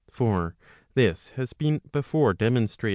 For this has been before demonstrated.